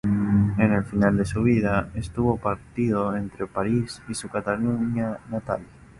El final de su vida estuvo partido entre París y su Cataluña natal.